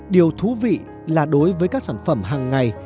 điều thú vị là đối với các sản phẩm hàng ngày